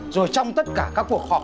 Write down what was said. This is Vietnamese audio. rồi trong tất cả các cuộc họp